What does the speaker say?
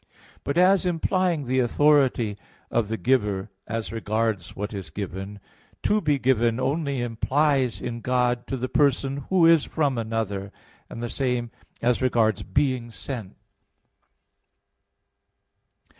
But as implying the authority of the giver as regards what is given, "to be given" only applies in God to the Person Who is from another; and the same as regards "being sent."